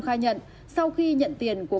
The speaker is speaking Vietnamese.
khai nhận sau khi nhận tiền của